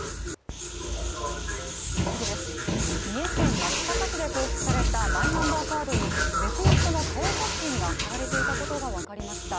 三重県松阪市で交付されたマイナンバーカードに別の人の顔写真が貼られていたことが分かりました。